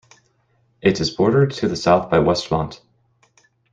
It is bordered to the south by Westmont.